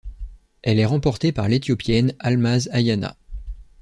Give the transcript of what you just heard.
Elle est remportée par l'Éthiopienne Almaz Ayana.